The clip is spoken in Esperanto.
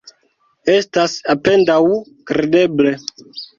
Estas apendaŭ kredeble.